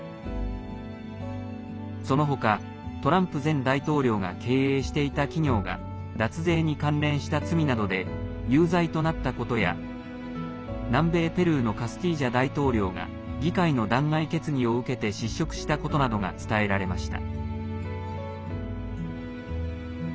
その他、トランプ前大統領が経営していた企業が脱税に関連した罪などで有罪となったことや南米ペルーのカスティジョ大統領が議会の弾劾決議を受けて失職したことなどが伝えられました。